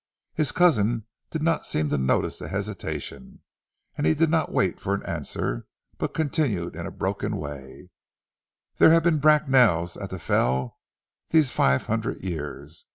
His cousin did not seem to notice the hesitation, and he did not wait for an answer, but continued in a broken way, "There have been Bracknells at the Fell these five hundred years....